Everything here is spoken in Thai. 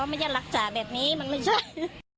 ไม่ใช่รักษาแบบนี้มันไม่ใช่